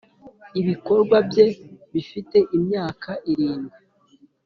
ibikorwa bye bifite imyaka irindwi.